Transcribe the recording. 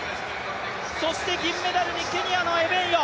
そして銀メダルにケニアのエベンヨ。